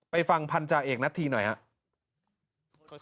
ไปฟังพันธาเอกนัทธีหน่อยครับ